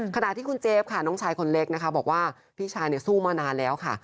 ขณะที่คุณเจฟค่ะน้องชายคนเล็กนะคะบอกว่าพี่ชายสู้มานานแล้วค่ะ